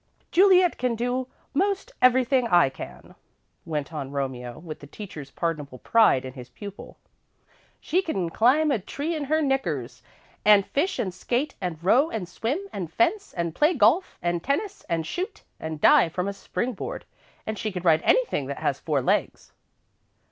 "Juliet can do most everything I can," went on Romeo, with the teacher's pardonable pride in his pupil. "She can climb a tree in her knickers, and fish and skate and row and swim and fence, and play golf and tennis, and shoot, and dive from a spring board, and she can ride anything that has four legs."